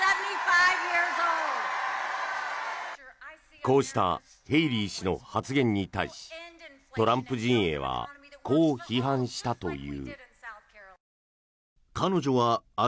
こうしたヘイリー氏の発言に対しトランプ陣営はこう批判したという。